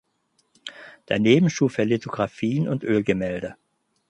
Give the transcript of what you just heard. Daneben schuf er Lithografien und Ölgemälde.